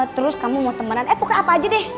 terus kamu mau temenan eh pokoknya apa aja deh